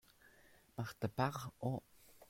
Marthe à part. — Oh ?